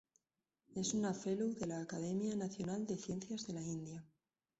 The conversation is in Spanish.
Es una fellow de la Academia Nacional de Ciencias de la India.